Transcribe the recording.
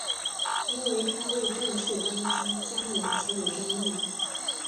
因为他未正式登基加冕且有争议。